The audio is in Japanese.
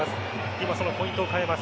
今、そのポイントを変えます。